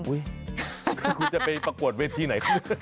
อุ๊ยคุณจะไปประกวดเวทย์ที่ไหน